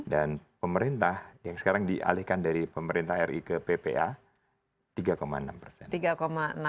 dan pemerintah yang sekarang dialihkan dari pemerintah ri ke ppa tiga enam persen